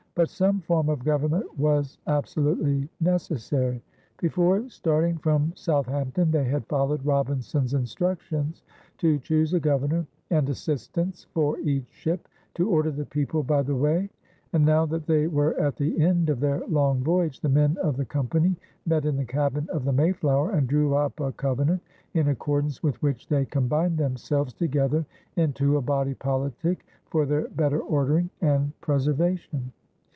But some form of government was absolutely necessary. Before starting from Southampton, they had followed Robinson's instructions to choose a governor and assistants for each ship "to order the people by the way"; and now that they were at the end of their long voyage, the men of the company met in the cabin of the Mayflower, and drew up a covenant in accordance with which they combined themselves together into a body politic for their better ordering and preservation.